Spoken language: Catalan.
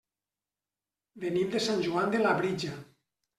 Venim de Sant Joan de Labritja.